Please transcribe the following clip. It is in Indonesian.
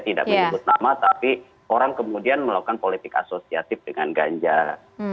tidak menyebut nama tapi orang kemudian melakukan politik asosiatif dengan ganjar